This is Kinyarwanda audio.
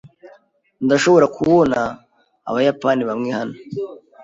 Ndashobora kubona abayapani bamwe hano.